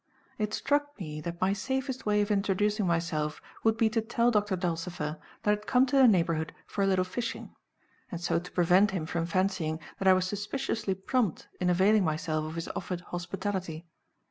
It struck me that my safest way of introducing myself would be to tell Doctor Dulcifer that I had come to the neighborhood for a little fishing, and so to prevent him from fancying that I was suspiciously prompt in availing myself of his offered hospitality.